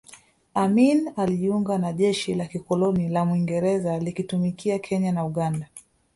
Amin alijiunga na jeshi la kikoloni la Mwingereza likitumikia Kenya na Uganda